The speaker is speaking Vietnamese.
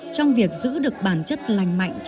trong việc giữ được bản chất lành mạnh trung tâm